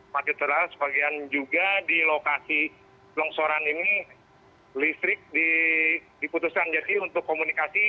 mati teras sebagian juga di lokasi longsoran ini listrik diputuskan jadi untuk komunikasi